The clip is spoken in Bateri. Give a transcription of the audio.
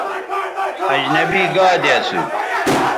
اجنبی گادے اسو